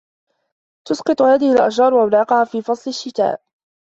تُسقِط هذه الأشجار أوراقها في فصل الشّتاء.